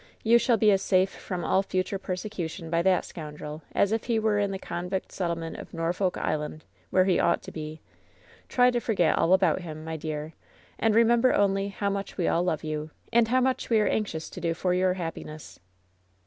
You shall be as safe from all future persecution by that scoundrel as if he were in the convict settlement of Norfolk Island — where he ought to be. Try to forget all about him, my dear, and remember only how much we all love you, and how much we are anxious to do for your happiness."